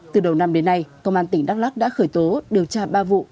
từ đầu năm đến nay công an tỉnh đắk lắc đã khởi tố điều tra ba vụ